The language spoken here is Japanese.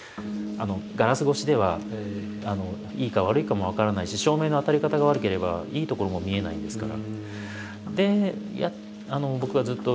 ガラス越しではいいか悪いかも分からないし照明の当たり方が悪ければいいところも見えないですから。